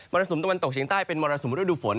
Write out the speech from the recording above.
รสุมตะวันตกเฉียงใต้เป็นมรสุมฤดูฝน